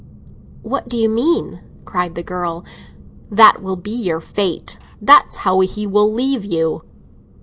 "What do you mean?" cried the girl. "That will be your fate—that's how he will leave you."